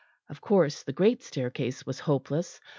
Of course the great staircase was hopeless.